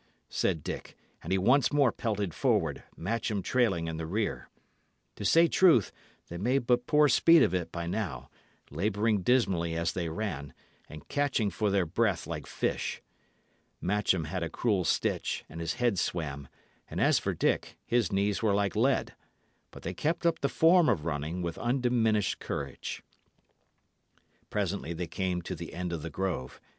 said Dick; and he once more pelted forward, Matcham trailing in the rear. To say truth, they made but poor speed of it by now, labouring dismally as they ran, and catching for their breath like fish. Matcham had a cruel stitch, and his head swam; and as for Dick, his knees were like lead. But they kept up the form of running with undiminished courage. Presently they came to the end of the grove.